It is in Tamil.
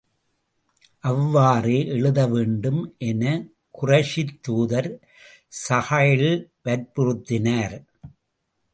அவ்வாறே எழுத வேண்டும் என குறைஷித் தூதர் ஸூஹைல் வற்புறுத்தினார்.